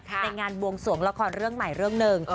ในงานบวงสวงละครเรื่องใหม่เรื่องหนึ่ง